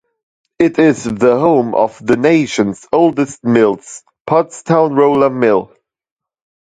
It is the home of the nations oldest mills, Pottstown Roller Mill.